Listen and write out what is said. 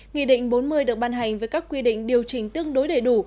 nghị định bốn mươi được ban hành với các quy định điều chỉnh tương đối đầy đủ